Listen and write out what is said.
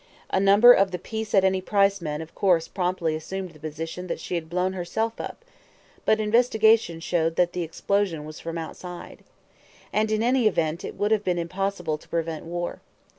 A number of the peace at any price men of course promptly assumed the position that she had blown herself up; but investigation showed that the explosion was from outside. And, in any event, it would have been impossible to prevent war.